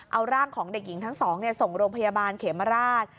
เอาร่างของเด็กหญิงทั้งสองส่งโรงพยาบาลเขมราช